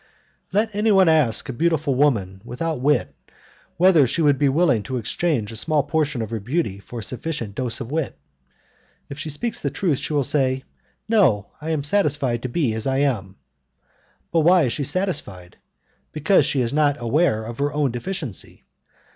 Let anyone ask a beautiful woman without wit whether she would be willing to exchange a small portion of her beauty for a sufficient dose of wit. If she speaks the truth, she will say, "No, I am satisfied to be as I am." But why is she satisfied? Because she is not aware of her own deficiency.